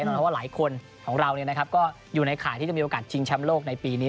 น่าว่าหลายคนของเราเนี่ยนะครับก็อยู่ในข่ายที่จะมีโอกาสชิงแชมป์โลกในปีนี้